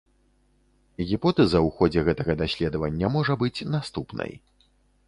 Гіпотэза ў ходзе гэтага даследавання можа быць наступнай.